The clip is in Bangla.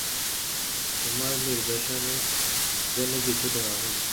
তোমার পুনর্বাসনের জন্য সবকিছু দেওয়া হবে।